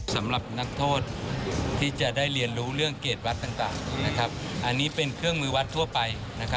สำหรับนักโทษที่จะได้เรียนรู้เรื่องเกรดวัดต่างอันนี้เป็นเครื่องมือวัดทั่วไป